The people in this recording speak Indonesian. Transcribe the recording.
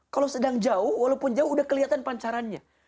kalau sedang jauh walaupun jauh udah kelihatan pancarannya